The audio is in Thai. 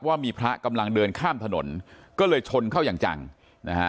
ว่ามีพระกำลังเดินข้ามถนนก็เลยชนเข้าอย่างจังนะฮะ